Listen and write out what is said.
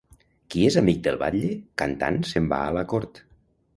Qui és amic del batlle, cantant se'n va a la cort.